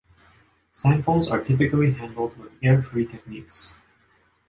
Samples are typically handled with air-free techniques.